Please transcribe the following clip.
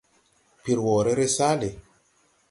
Pir wɔɔre ree saale.